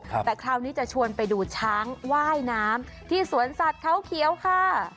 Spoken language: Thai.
แต่คราวนี้จะชวนไปดูช้างว่ายน้ำที่สวนสัตว์เขาเขียวค่ะ